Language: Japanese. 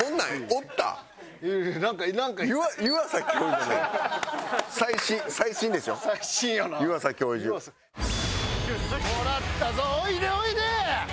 おいでおいで！